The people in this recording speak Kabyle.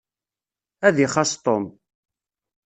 Ad ixaṣ Tom.